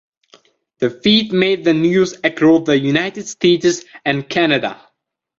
The feat made the news across the United States and Canada.